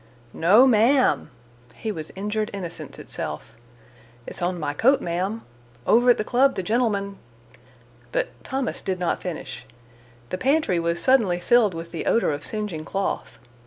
"No, ma'm." He was injured innocence itself. "It's on my coat, ma'm. Over at the club the gentlemen—" But Thomas did not finish. The pantry was suddenly filled with the odor of singeing cloth.